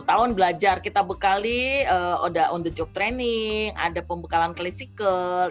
dua puluh tahun belajar kita bekali ada on the job training ada pembekalan clisical